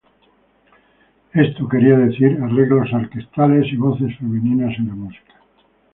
Esto quería decir arreglos orquestales y voces femeninas en la música.